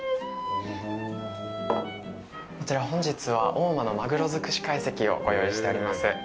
こちら、本日は大間のマグロづくし会席をご用意しております。